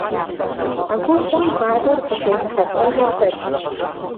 А губгъуэм гъавэр къыщезыхьэлӏэжыр хэт?